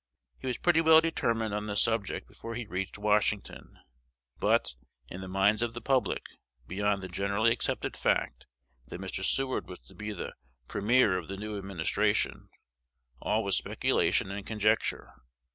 He was pretty well determined on this subject before he reached Washington; but in the minds of the public, beyond the generally accepted fact, that Mr. Seward was to be the Premier of the new administration, all was speculation and conjecture.